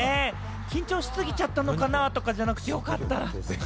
緊張しすぎちゃったのかな？とかじゃなくてよかった。